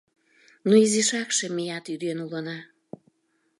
Но изишакше меат ӱден улына.